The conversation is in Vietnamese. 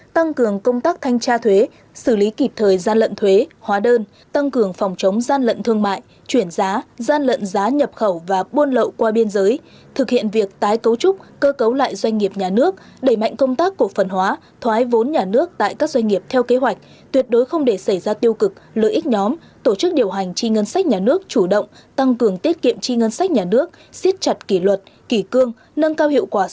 tăng cường công tác thanh tra thuế xử lý kịp thời gian lận thuế hóa đơn tăng cường phòng chống gian lận thương mại chuyển giá gian lận giá nhập khẩu và buôn lậu qua biên giới thực hiện việc tái cấu trúc cơ cấu lại doanh nghiệp nhà nước đẩy mạnh công tác cổ phần hóa thoái vốn nhà nước tại các doanh nghiệp theo kế hoạch tuyệt đối không để xảy ra tiêu cực lợi ích nhóm tổ chức điều hành chi ngân sách nhà nước chủ động tăng cường tiết kiệm chi ngân sách nhà nước xiết chặt kỷ luật kỷ cương nâng cao hiệu quả